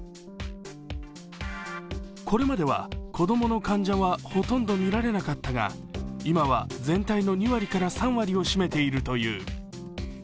これまでは子供の患者はほとんど見られなかったが今は、全体の２割から３割を占めているという。